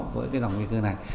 với dòng di cư này